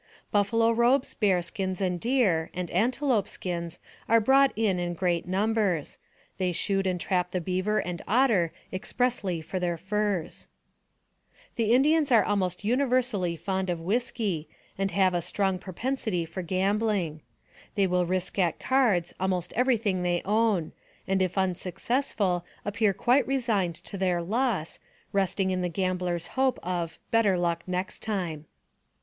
Buffalo robes, bearskins, and deer, and antelope skins are brought in in great numbers; they shoot and trap the beaver and otter expressly for their furs. The Indians are almost universally fond of whisky, 16 186 NARRATIVE OF CAPTIVITY and have a strong propensity for gambling. They will risk at cards almost every thing they own, and if un successful appear quite resigned to their loss, resting in the gambler's hope of " better luck next time."